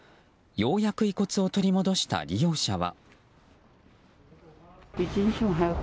ようやく遺骨を取り戻した利用者は。